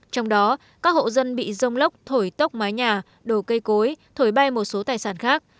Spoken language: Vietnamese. trong đó các hộ dân bị rông lốc thổi tốc mái nhà đổ cây cối thổi bay một số tài sản khác